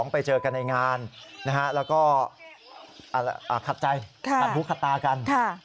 ไปเจอกันในงานแล้วก็ขัดใจขัดหูขัดตากัน